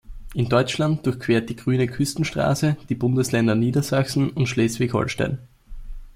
In Deutschland durchquert die "Grüne Küstenstraße" die Bundesländer Niedersachsen und Schleswig-Holstein.